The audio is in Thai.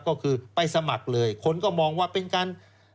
ก็คือไปสมัครเลยคนก็มองว่าเป็นการ